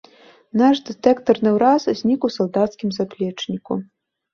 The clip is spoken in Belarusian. Наш дэтэктарны ўраз знік у салдацкім заплечніку.